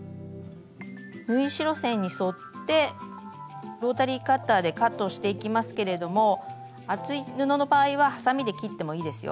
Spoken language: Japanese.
縫い代線に沿ってロータリーカッターでカットしていきますけれども厚い布の場合ははさみで切ってもいいですよ。